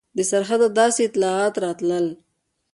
د سرحده داسې اطلاعات راتلل.